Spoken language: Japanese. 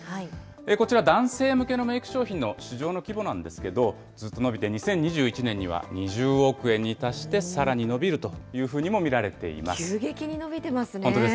こちら、男性向けのメーク商品の市場の規模なんですけど、ずっと伸びて２０２１年には２０億円に達して、さらに伸びるというふうにも見られています。